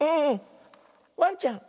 ワンちゃん。